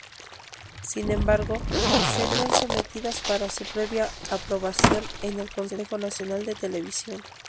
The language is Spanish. Sin embargo, serían sometidas para su previa aprobación en el Consejo Nacional de Televisión.